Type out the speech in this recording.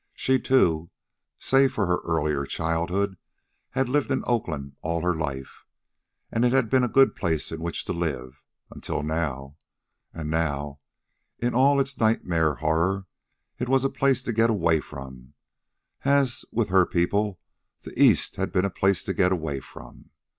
She too, save for her earlier childhood, had lived in Oakland all her life. And it had been a good place in which to live... until now. And now, in all its nightmare horror, it was a place to get away from, as with her people the East had been a place to get away from.